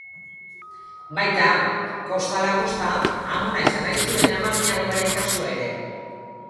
Baita, kosta ala kosta amona izan nahi zuen amaginarrebaren kasua ere.